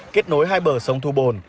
kết nối hai bờ sông thu bồn